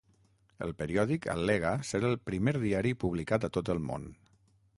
El periòdic al·lega ser "el primer diari publicat a tot el món".